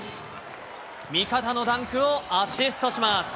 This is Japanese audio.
味方のダンクをアシストします。